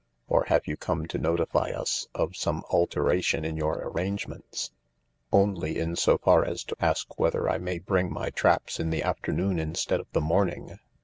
Or have you come to notify us of some alteration in your arrangements ?"" Only in so far as to ask whether I may bring my traps in the afternoon instead of the morning.